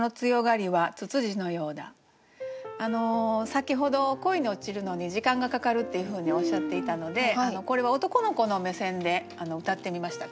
先ほど恋に落ちるのに時間がかかるっていうふうにおっしゃっていたのでこれは男の子の目線でうたってみました。